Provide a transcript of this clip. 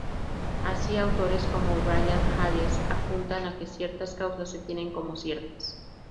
Así autores como Brian Hayes apuntan a que ciertas causas se tienen como ciertas.